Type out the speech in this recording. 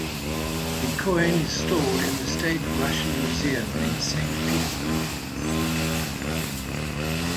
The coin is stored in the State Russian Museum in Saint Petersburg.